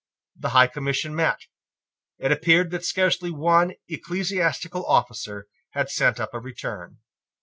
The High Commission met. It appeared that scarcely one ecclesiastical officer had sent up a return.